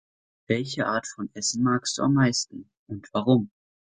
Welche Art von Essen magst du am meisten und warum?